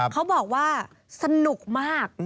เขาบอกว่าสนุกมาก